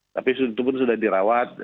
tapi itu pun sudah dirawat